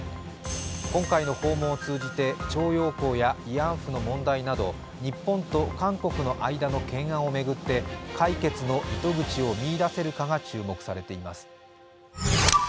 今回の訪問を通じて徴用工や慰安婦の問題など日本と韓国の間の懸案を巡って解決の糸口を見いだせるか注目が集まっています。